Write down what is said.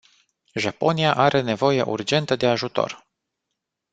Japonia are nevoie urgentă de ajutor.